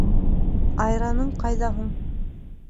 — Айраның ҡайҙа һуң?